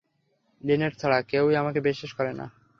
Linate ছাড়া কেউই তাকে বিশ্বাস করে না!